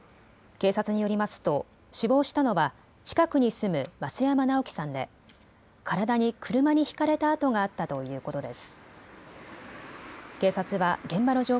警察によりますと死亡したのは近くに住む増山直樹さんで体に車にひかれた痕があったということです。